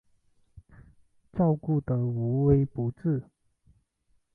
照顾得无微不至